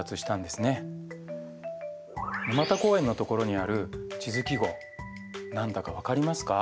沼田公園のところにある地図記号何だか分かりますか？